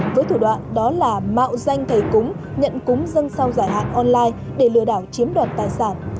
với thủ đoạn đó là mạo danh thầy cúng nhận cúng dân sau giải hạn online để lừa đảo chiếm đoạt tài sản